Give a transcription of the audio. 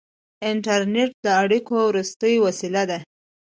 • انټرنېټ د اړیکو وروستۍ وسیله ده.